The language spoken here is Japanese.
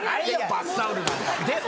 バスタオルなんか。